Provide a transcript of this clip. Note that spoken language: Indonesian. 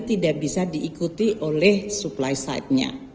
tidak bisa diikuti oleh supply side nya